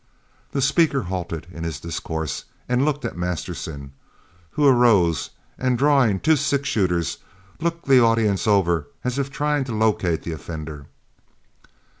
The speaker halted in his discourse and looked at Masterson, who arose, and, drawing two six shooters, looked the audience over as if trying to locate the offender.